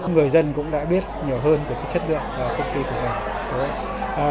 người dân cũng đã biết nhiều hơn về chất lượng công ty của mình